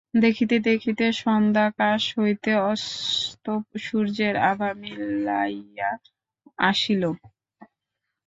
দেখিতে দেখিতে সন্ধ্যাকাশ হইতে অস্তসূর্যের আভা মিলাইয়া আসিল।